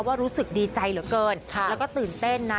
รู้สึกดีใจเหลือเกินแล้วก็ตื่นเต้นนะ